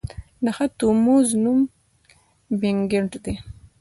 د ښه تومور نوم بېنیګنټ دی.